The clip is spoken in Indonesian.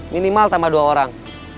minimal tambah dua orang